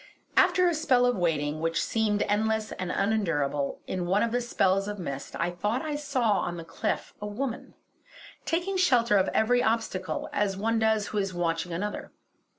After a spell of waiting, which seemed endless and unendurable, in one of the spells of mist I thought I saw on the cliff a woman, taking shelter of every obstacle, as does one who is watching another.